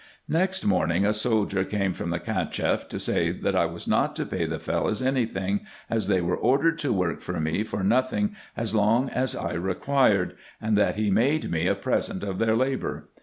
Next morning a soldier came from the Cacheff, to say that I was not to pay the Fellahs any thing, as they were ordered to work for me for nothing as long as I required, and that he made me a present of their labour.